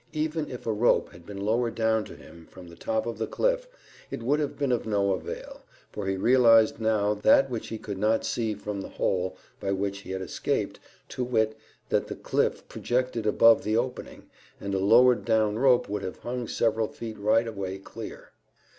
Even if a rope had been lowered down to him from the top of the cliff, it would have been of no avail, for he realised now that which he could not see from the hole by which he had escaped, to wit, that the cliff projected above the opening, and a lowered down rope would have hung several feet right away clear.